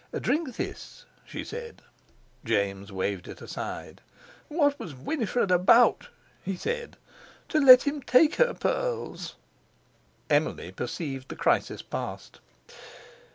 "Drink this," she said. James waved it aside. "What was Winifred about," he said, "to let him take her pearls?" Emily perceived the crisis past.